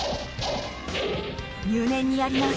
入念にやります